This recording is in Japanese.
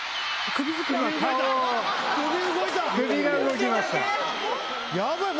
首が動きました。